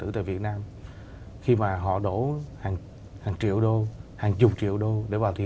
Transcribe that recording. tìm hiểu một cái